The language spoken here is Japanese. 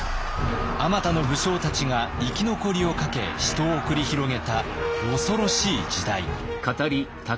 あまたの武将たちが生き残りをかけ死闘を繰り広げた恐ろしい時代。